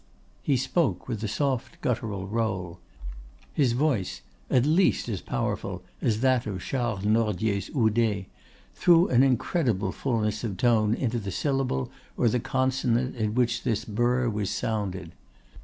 "He spoke with a strong guttural roll. His voice, at least as powerful as that of Charles Nordier's Oudet, threw an incredible fulness of tone into the syllable or the consonant in which this burr was sounded.